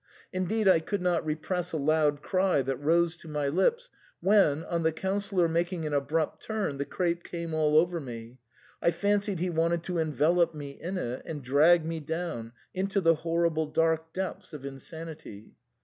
Indeed, I could not repress a loud cry that rose to my lips when, on the Councillor making an abrupt turn, the crape came all over me ; I fancied he wanted to envelop me in it and drag me down into the horrible dark depths of insanity.